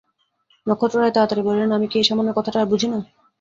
নক্ষত্ররায় তাড়াতাড়ি বলিলেন, আমি কি এই সামান্য কথাটা আর বুঝি না!